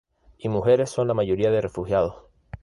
Y mujeres son la mayoría de refugiados.